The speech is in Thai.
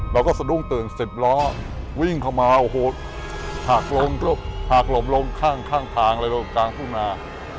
เราก็สดุ้งตื่น๑๐ล้อวิ่งเข้ามาหากลมลงข้างทางลงกลางภูนา